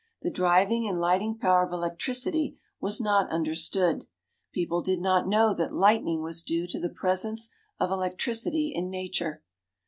The driving and lighting power of electricity was not understood. People did not know that lightning was due to the presence of electricity in nature.